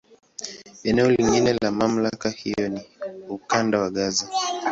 Eneo lingine la MamlakA hiyo ni Ukanda wa Gaza.